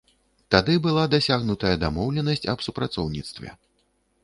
Тады была дасягнутая дамоўленасць аб супрацоўніцтве.